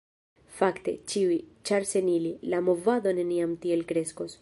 Fakte, ĉiuj, ĉar sen ili, la movado neniam tiel kreskos.